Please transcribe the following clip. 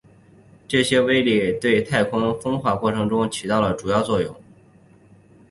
这些微粒对太空风化过程起到了主要作用。